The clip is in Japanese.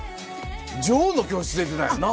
『女王の教室』出てたやんな。